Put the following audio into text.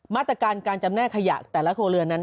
มาตรการการจำแนกขยะแต่ละครัวเรือนนั้น